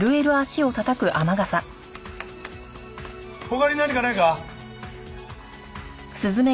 他に何かないか？